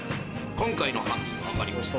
今回の犯人分かりました。